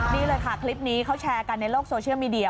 นี่เลยค่ะคลิปนี้เขาแชร์กันในโลกโซเชียลมีเดีย